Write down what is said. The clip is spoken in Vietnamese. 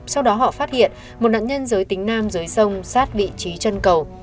sau đó họ phát hiện một nạn nhân giới tính nam dưới sông sát vị trí chân cầu